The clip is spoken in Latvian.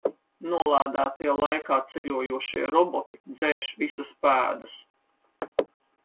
Nolādētie laikā ceļojošie roboti dzēš visas pēdas.